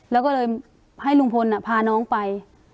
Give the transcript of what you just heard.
แล้วก็เลยให้ลุงพลพาน้องไป